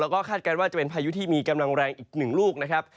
แล้วก็คาดการณ์ว่าจะเป็นพายุที่มีกำลังแรงอีกหนึ่งลูกนะครับ